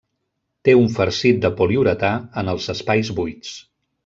Té un farcit de poliuretà en els espais buits.